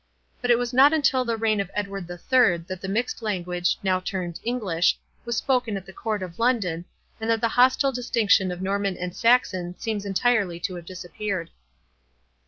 But it was not until the reign of Edward the Third that the mixed language, now termed English, was spoken at the court of London, and that the hostile distinction of Norman and Saxon seems entirely to have disappeared.